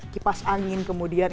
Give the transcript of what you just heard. kipas angin kemudian